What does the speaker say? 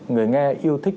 người nghe yêu thích